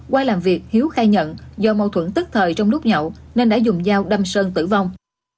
qua làm việc hiếu khai nhận do mâu thuẫn tức thời trong lúc nhậu nên đã dùng dao đâm sơn tử vong